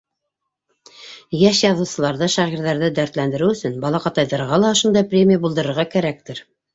Йәш яҙыусыларҙы, шағирҙарҙы дәртләндереү өсөн балаҡатайҙарға ла ошондай премия булдырырға кәрәктер.